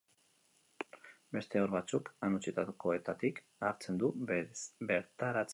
Beste haur batzuk han utzitakoetatik hartzen du bertaratzen denak.